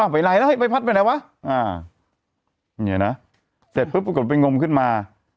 ไปไหลแล้วให้ใบพัดไปไหนวะเนี่ยนะเสร็จปุ๊บปรากฏไปงมขึ้นมา